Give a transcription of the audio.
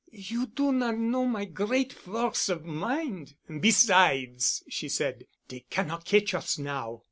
"You do not know my great force of mind. Besides," she added, "dey cannot catch us now."